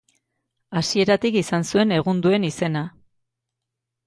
Hasieratik izan zuen egun duen izena.